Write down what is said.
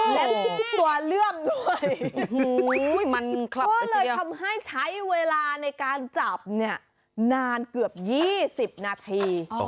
และทุกตัวเลื่อมด้วยก็เลยทำให้ใช้เวลาในการจับเนี่ยนานเกือบ๒๐นาที